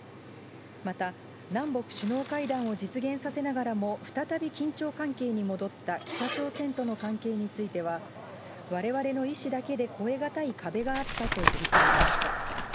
また南北首脳会談を実現させながらも、再び緊張関係に戻った北朝鮮との関係については、われわれの意志だけで越えがたい壁があったと振り返りました。